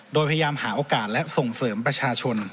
โดยพยายามหาโอกาสและส่งเสริมประชาชน